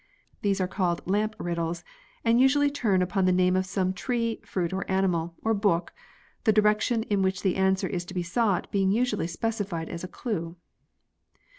These are called "lamp riddles," and usually turn upon the name of some tree, fruit, animal, or book, the direction in which the answer is to be sought being usually specified as a clue.